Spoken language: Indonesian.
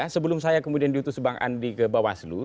sebelum saya kemudian diutus bang andi ke bawaslu